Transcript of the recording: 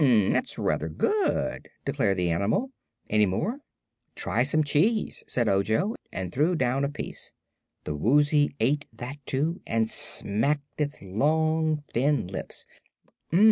"That's rather good," declared the animal. "Any more?" "Try some cheese," said Ojo, and threw down a piece. The Woozy ate that, too, and smacked its long, thin lips.